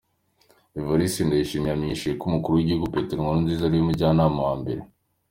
Evariste Ndayishimiye yamenyesheje ko umukuru w’igihugu Petero Nkurunziza ari we mujyanama wa mbere.